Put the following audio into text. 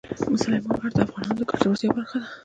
سلیمان غر د افغانانو د ګټورتیا برخه ده.